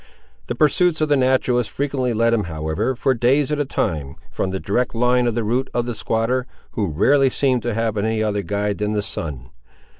The pursuits of the naturalist frequently led him, however, for days at a time, from the direct line of the route of the squatter, who rarely seemed to have any other guide than the sun.